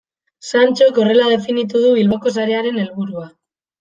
Santxok horrela definitu du Bilboko sarearen helburua.